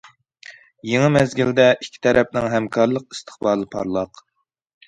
يېڭى مەزگىلدە، ئىككى تەرەپنىڭ ھەمكارلىق ئىستىقبالى پارلاق.